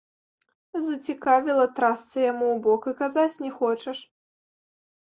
Зацікавіла, трасца яму ў бок, і казаць не хочаш!